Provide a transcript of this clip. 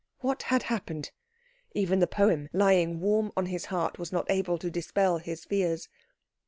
What had happened? Even the poem, lying warm on his heart, was not able to dispel his fears.